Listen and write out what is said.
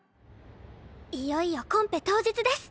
いよいよコンペ当日です！